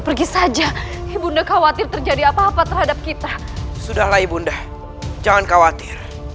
pergi saja ibu undang khawatir terjadi apa apa terhadap kita sudah lah ibu undang jangan khawatir